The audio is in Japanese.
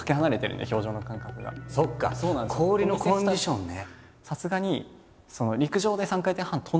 氷のコンディションね。